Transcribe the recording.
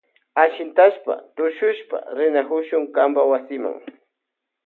Ashintashpa tushushpa rinakushun kanpa wasima.